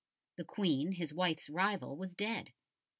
The Queen, his wife's rival, was dead.